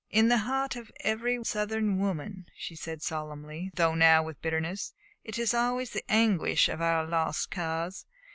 "In the heart of every Southern woman," she said solemnly, though now without bitterness, "is always the anguish of our Lost Cause.